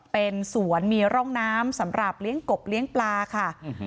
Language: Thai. เป็นสวนมีร่องน้ำสำหรับเลี้ยงกบเลี้ยงปลาค่ะ